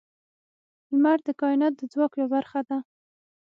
• لمر د کائنات د ځواک یوه برخه ده.